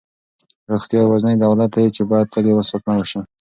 روغتیا یوازینی دولت دی چې باید تل یې ساتنه وشي.